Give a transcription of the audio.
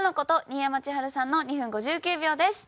新山千春さんの２分５９秒です。